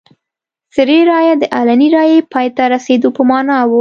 سري رایه د علني رایې پای ته رسېدو په معنا وه.